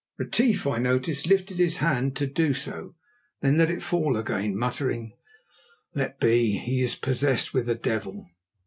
Retief, I noticed, lifted his hand to do so, then let it fall again, muttering: "Let be; he is possessed with a devil."